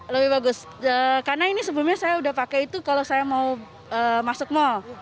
lebih bagus karena ini sebelumnya saya udah pakai itu kalau saya mau masuk mal